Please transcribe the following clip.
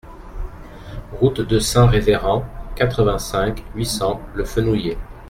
Route de Saint-Révérend, quatre-vingt-cinq, huit cents Le Fenouiller